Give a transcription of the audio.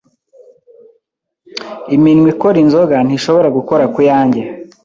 Iminwa ikora inzoga ntishobora gukora kuyanjye.